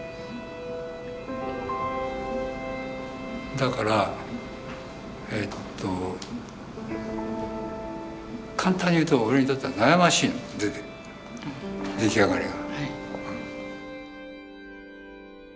だからえっと簡単に言うと俺にとっては悩ましいの出来上がりが。